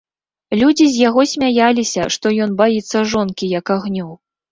Людзі з яго смяяліся, што ён баіцца жонкі, як агню.